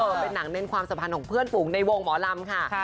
เป็นหนังเน้นความสัมพันธ์ของเพื่อนฝูงในวงหมอลำค่ะ